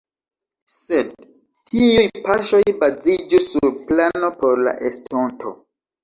Sed tiuj paŝoj baziĝu sur plano por la estonto.